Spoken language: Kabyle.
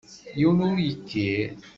Yiwen ur yekkir.